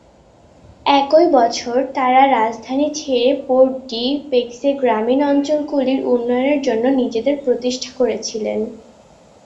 একই বছর তারা রাজধানী ছেড়ে পোর্ট-ডি-পেক্সে গ্রামীণ অঞ্চলগুলির উন্নয়নের জন্য নিজেদের প্রতিষ্ঠা করেছিলেন।